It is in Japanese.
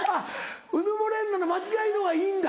「うぬぼれんな」の間違いのほうがいいんだ